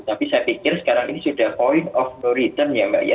tapi saya pikir sekarang ini sudah point of no return ya mbak ya